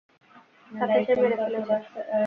তাকে সে মেরে ফেলেছে।